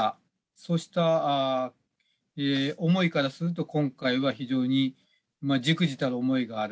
そうした思いからすると、今回は非常にじくじたる思いがある。